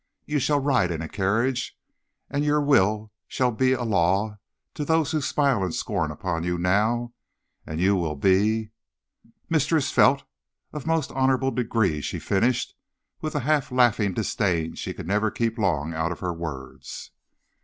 You shall ride in a carriage, and your will shall be a law to those who smile in scorn upon you now, and you will be ' "'Mistress Felt, of most honorable degree,' she finished, with the half laughing disdain she could never keep long out of her words.